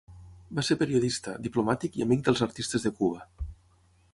Va ser periodista, diplomàtic i amic dels artistes de Cuba.